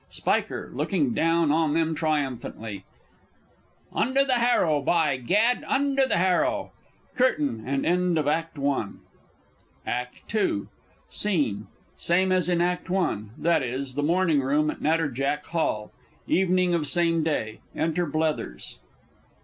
_ Sp. (looking down on them triumphantly). Under the Harrow, by Gad! Under the Harrow! [Curtain, and end of Act I. ACT II. SCENE Same as in Act I.; viz., the Morning Room at Natterjack Hall. Evening of same day. Enter BLETHERS.